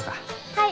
はい！